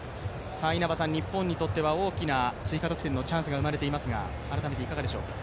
日本にとっては大きな追加得点のチャンスは来ていますがいかがでしょうか？